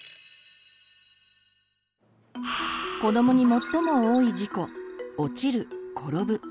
子どもに最も多い事故「落ちる」「転ぶ」。